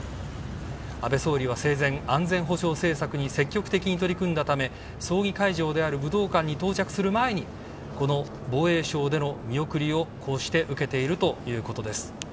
安倍総理は生前、安全保障政策に積極的に取り組んだため葬儀会場である武道館に到着する前にこの防衛省での見送りを受けているということです。